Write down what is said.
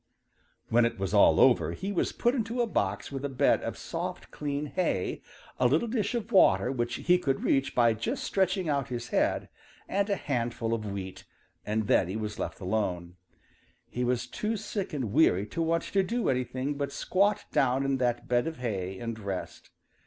When it was all over he was put into a box with a bed of soft clean hay, a little dish of water which he could reach by just stretching out his head, and a handful of wheat, and then he was left alone. He was too sick and weary to want to do anything but squat down in that bed of hay and rest.